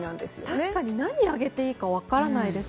確かに何をあげていいか分からないです。